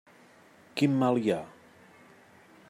Quin mal hi ha?